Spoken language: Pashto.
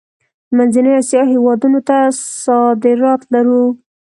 د منځنۍ اسیا هیوادونو ته صادرات لرو؟